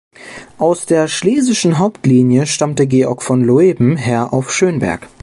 Aus der schlesischen Hauptlinie stammte Georg von Loeben, Herr auf Schönberg.